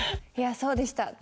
いやそうでした。